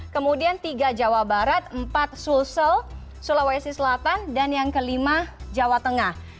kemudian tiga jawa barat empat sulsel sulawesi selatan dan yang kelima jawa tengah